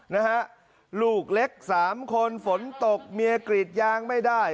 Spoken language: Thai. นะฮะลูกเล็กสามคนฝนตกเมียกรีดยางไม่ได้